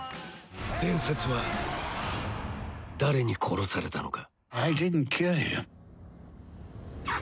伝説は誰に殺されたのか。